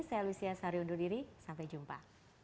saya lucia sari undur diri sampai jumpa